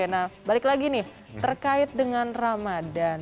nah balik lagi nih terkait dengan ramadan